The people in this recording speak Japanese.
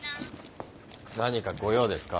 何かご用ですか？